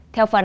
theo phản ánh